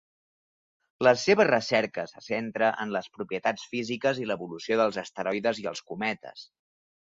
La seva recerca se centra en les propietats físiques i l'evolució dels asteroides i els cometes.